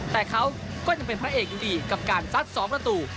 แต่เขาก็ยังเป็นพระเอกอยู่ดีกับการซัด๒ประตู